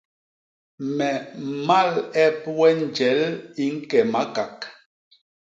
Me mmal ep we njel i ñke Makak.